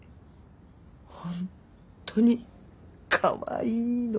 本当にかわいいの。